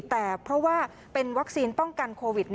แต่เพราะว่าเป็นวัคซีนป้องกันโควิด